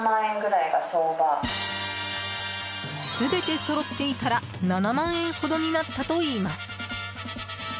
全てそろっていたら７万円ほどになったといいます。